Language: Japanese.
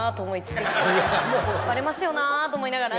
「バレますよなぁ」と思いながら。